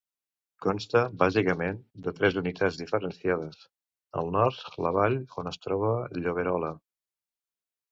Consta, bàsicament, de tres unitats diferenciades: al nord, la vall on es troba Lloberola.